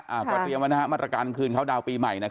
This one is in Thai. ต้องไปเนี้ยมาตรการคืนเข้าดาวปีใหม่นะครับ